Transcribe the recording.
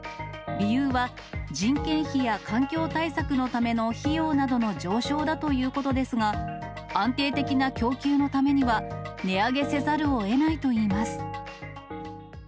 理由は、人件費や環境対策のための費用などの上昇だということですが、安定的な供給のためには、値上げせざるをえないといいます。